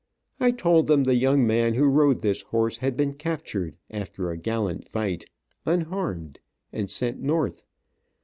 I told them the young man who rode this horse had been captured, after a gallant fight, unharmed, and sent north.